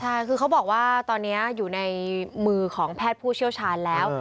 ใช่คือเขาบอกว่าตอนนี้อยู่ในมือของแพทย์ผู้เชี่ยวชาญแล้ว